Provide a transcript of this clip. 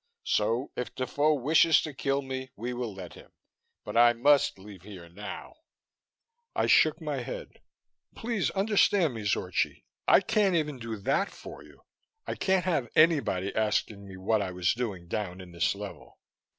So if Defoe wishes to kill me, we will let him, but I must leave here now." I shook my head. "Please understand me, Zorchi I can't even do that for you. I can't have anybody asking me what I was doing down in this level."